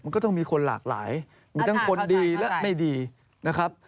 มันก็ต้องมีคนหลากหลายมีทั้งคนดีและไม่ดีนะครับ